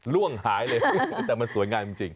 ล่วงหายเลยแต่มันสวยงามจริง